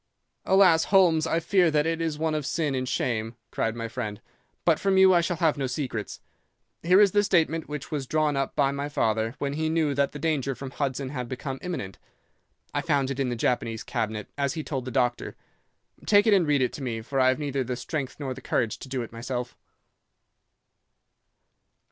"'Alas, Holmes, I fear that it is one of sin and shame!' cried my friend. 'But from you I shall have no secrets. Here is the statement which was drawn up by my father when he knew that the danger from Hudson had become imminent. I found it in the Japanese cabinet, as he told the doctor. Take it and read it to me, for I have neither the strength nor the courage to do it myself.